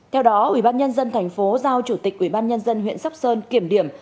theo đó ubnd tp giao chủ tịch ubnd huyện sóc sơn kiểm điểm